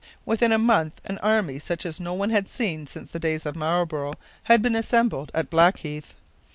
Within a month an army such as no one had seen since the days of Marlborough had been assembled at Blackheath.